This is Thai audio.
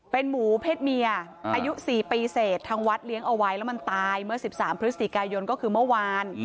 เป็นหมูเพศเมียอายุ๔ปีเสร็จทางวัดเลี้ยงเอาไว้แล้วมันตายเมื่อ๑๓พฤศจิกายนก็คือเมื่อวาน